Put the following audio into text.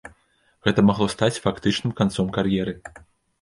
Гэта магло стаць фактычным канцом кар'еры.